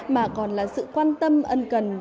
mà còn là sự quan tâm ân cần của các nhà hảo tâm